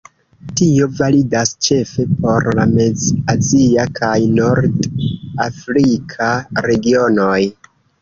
Tio validas ĉefe por la mez-azia kaj nord-afrika regionoj.